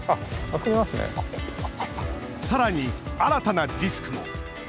さらに、新たなリスクも。